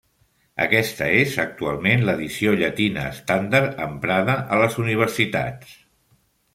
Aquesta és actualment l'edició llatina estàndard emprada a les universitats.